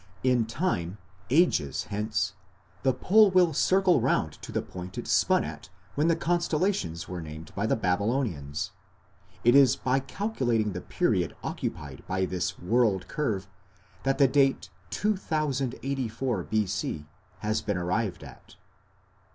In time ages hence the pole will circle round to the point it spun at when the constellations were named by the Babylonians. It is by calculating the period occupied by this world curve that the date 2084 B.C. has been arrived at.